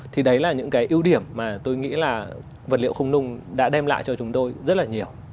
thì đấy là những cái ưu điểm mà tôi nghĩ là vật liệu không nung đã đem lại cho chúng tôi rất là nhiều